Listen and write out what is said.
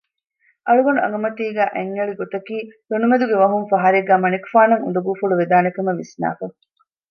އަޅުގަނޑު އަނގަމަތީގައި އަތްއެޅިގޮތަކީ ލޮނުމެދުގެ ވަހުން ފަހަރެއްގައި މަނިކުފާނަށް އުނދަގޫފުޅު ވެދާނެކަމަށް ވިސްނައިފަ